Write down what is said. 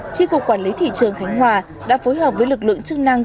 chi cục quản lý thị trường khánh hòa đã phối hợp với lực lượng chức năng